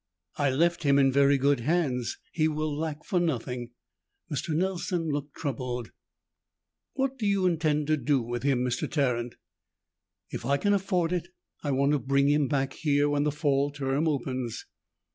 "I left him in very good hands. He will lack for nothing." Mr. Nelson looked troubled. "What do you intend to do with him, Mr. Tarrant?" "If I can afford it, I want to bring him back here when the fall term opens."